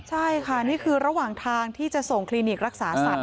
ใช่ค่ะนี่คือระหว่างทางที่จะส่งคลินิกรักษาสัตว